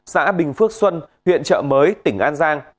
xã bình phước xuân huyện chợ mới tỉnh an giang